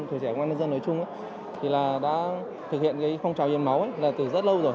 thủy trẻ công an nhân dân nói chung thì đã thực hiện phong trào hiến máu từ rất lâu rồi